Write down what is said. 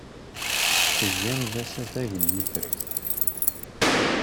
Tgam-d asafag n yiferki.